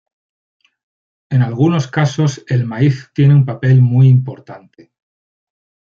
En algunos casos el maíz tiene un papel muy importante.